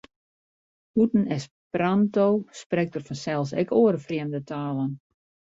Bûten Esperanto sprekt er fansels ek oare frjemde talen.